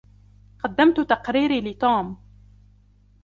قدّمتُ تقريري لتوم.